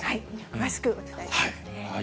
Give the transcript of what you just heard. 詳しくお伝えしますね。